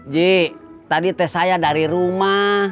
j tadi tes saya dari rumah